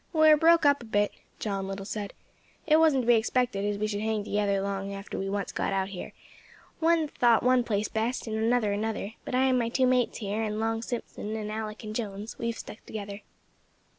"We are broke up a bit," John Little said. "It wasn't to be expected as we should hang together long after we once got out here; one thought one place best, and another another; but I and my two mates here, and long Simpson, and Alick, and Jones, we have stuck together."